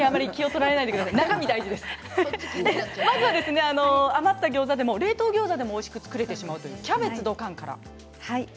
まずは余ったギョーザでも冷凍ギョーザでもおいしく作れる「キャベツドカン！」から。